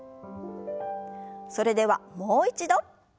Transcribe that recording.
それではもう一度。